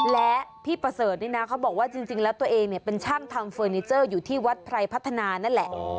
และพี่ประเสริฐนี่นะเขาบอกว่าจริงแล้วตัวเองเนี่ยเป็นช่างทำเฟอร์นิเจอร์อยู่ที่วัดไพรพัฒนานั่นแหละ